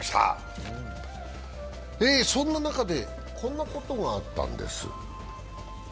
そんな中で、こんなことがあったんです。